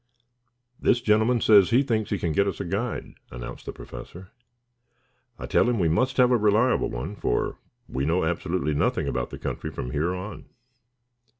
"This gentleman says he thinks he can get us a guide," announced the Professor. "I tell him we must have a reliable one, for we know absolutely nothing about the country from here on."